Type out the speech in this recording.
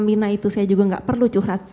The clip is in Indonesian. mirna itu saya juga nggak perlu curhat